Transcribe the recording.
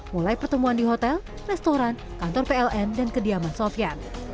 mulai pertemuan di hotel restoran kantor pln dan kediaman sofian